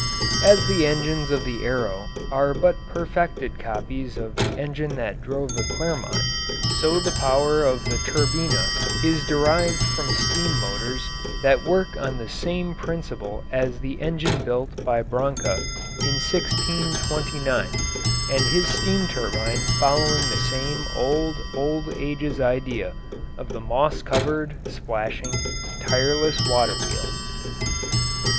As the engines of the Arrow are but perfected copies of the engine that drove the Clermont, so the power of the Turbina is derived from steam motors that work on the same principle as the engine built by Branca in 1629, and his steam turbine following the same old, old, ages old idea of the moss covered, splashing, tireless water wheel.